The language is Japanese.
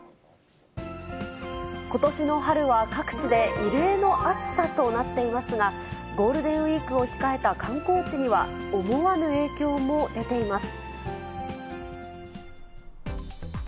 ことしの春は各地で異例の暑さとなっていますが、ゴールデンウィークを控えた観光地には思わぬ影響も出ています。